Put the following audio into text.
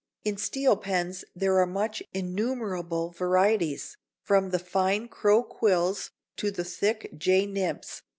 In steel pens there are innumerable varieties, from the fine crow quills to the thick "J" nibs.